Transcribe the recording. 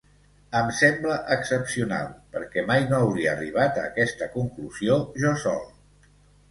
Em sembla excepcional, perquè mai no hauria arribat a aquesta conclusió jo sol.